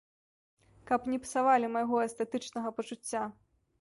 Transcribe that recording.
Каб не псавалі майго эстэтычнага пачуцця!